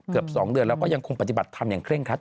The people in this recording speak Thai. เกือบสองเดือนแล้วก็ยังคงปฏิบัติภรรณ์ทำอย่างเคร่งขัด